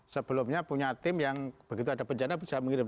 sebelumnya punya tim yang begitu ada bencana bisa mengirim